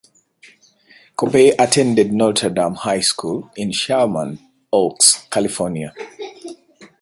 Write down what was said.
Kopay attended Notre Dame High School in Sherman Oaks, California.